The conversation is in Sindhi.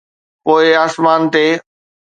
پوءِ آسمان تي.